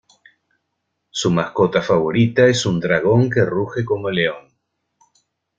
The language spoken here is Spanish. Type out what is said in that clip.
Su mascota favorita es un dragón que ruge como león.